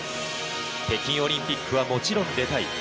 北京オリンピックはもちろん出たい